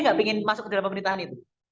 nggak ingin masuk ke dalam pemerintahan itu